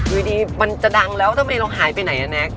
อยู่ดีมันจะดังแล้วทำไมเราหายไปไหนอะแน็ก